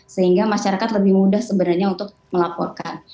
sehingga masyarakat lebih mudah sebenarnya untuk melaporkan